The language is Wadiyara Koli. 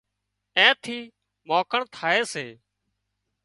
اين ٿِي مانکڻ ٿائي سي